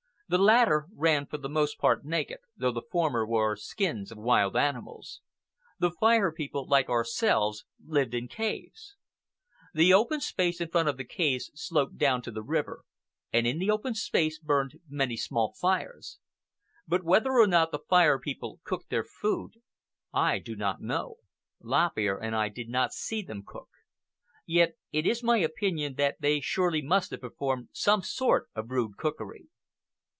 The latter ran for the most part naked, though the former wore skins of wild animals. The Fire People, like ourselves, lived in caves. The open space in front of the caves sloped down to the river, and in the open space burned many small fires. But whether or not the Fire People cooked their food, I do not know. Lop Ear and I did not see them cook. Yet it is my opinion that they surely must have performed some sort of rude cookery.